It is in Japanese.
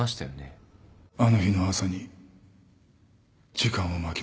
あの日の朝に時間を巻き戻せたらな